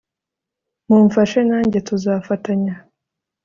mumfashe nanjye tuzafatanye